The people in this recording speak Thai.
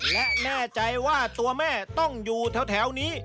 และแน่ใจว่าตัวแม่ต้องอยู่แถวนี้